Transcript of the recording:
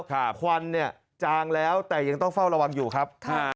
ควันจางแล้วแต่ยังต้องเฝ้าระวังอยู่ครับ